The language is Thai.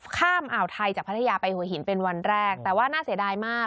อ่าวไทยจากพัทยาไปหัวหินเป็นวันแรกแต่ว่าน่าเสียดายมาก